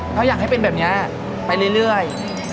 เขาอยากให้เป็นแบบนี้ไปเรื่อย